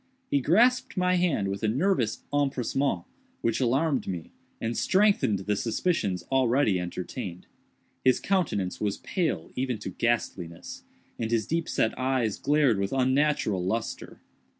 He grasped my hand with a nervous empressement which alarmed me and strengthened the suspicions already entertained. His countenance was pale even to ghastliness, and his deep set eyes glared with unnatural lustre.